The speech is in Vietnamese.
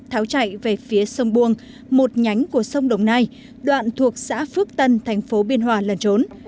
tháo chạy về phía sông buông một nhánh của sông đồng nai đoạn thuộc xã phước tân thành phố biên hòa lần trốn